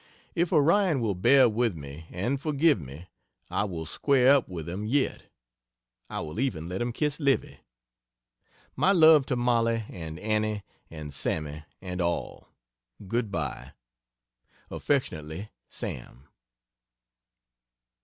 If Orion will bear with me and forgive me I will square up with him yet. I will even let him kiss Livy. My love to Mollie and Annie and Sammie and all. Good bye. Affectionately, SAM.